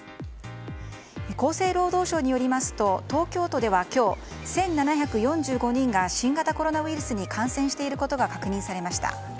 厚生労働省によりますと東京都では今日１７４５人が新型コロナウイルスに感染していることが確認されました。